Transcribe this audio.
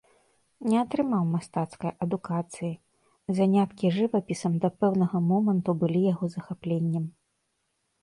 Не атрымаў мастацкай адукацыі, заняткі жывапісам да пэўнага моманту былі яго захапленнем.